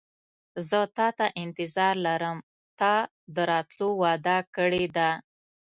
زه تاته انتظار لرم تا د راتلو وعده کړې ده.